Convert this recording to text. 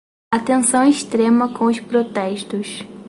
Atenção extrema com os protestos